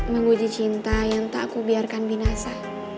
menguji cinta yang tak kubiarkan binasa